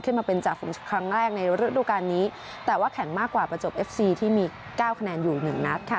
มาเป็นจ่าฝูงครั้งแรกในฤดูการนี้แต่ว่าแข่งมากกว่าประจบเอฟซีที่มีเก้าคะแนนอยู่หนึ่งนัดค่ะ